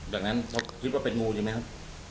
แบบนั้นคิดว่าเป็นงูดีไหมครับ